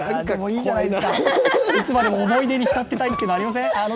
いつまでも思い出に浸っていたいと思いません？